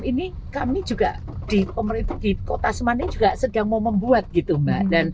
ini kami juga di kota semarang ini juga sedang mau membuat gitu mbak